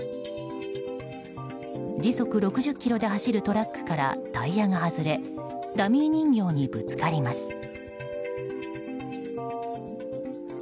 時速６０キロで走るトラックからタイヤが外れダミー人形にぶつかります。